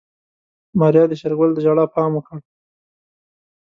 ماريا د شېرګل د ژړا پام وکړ.